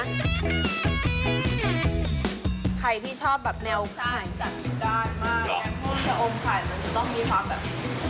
ใครที่ชอบแบบแนวใช่จัดกินได้มาก